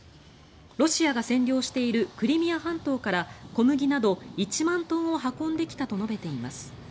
ロシアが占領しているクリミア半島から小麦など１万トンを運んできたと述べています。